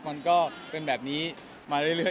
มันก็เป็นแบบนี้มาเรื่อย